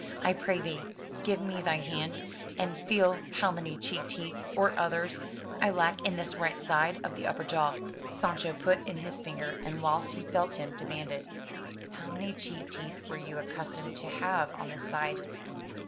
I pray thee, give me thy hand, and feel how many cheek teeth, or others, I lack in this right side of the upper jaw." Sancho put in his finger, and whilst he felt him, demanded, "How many cheek teeth were you accustomed to have on this side?''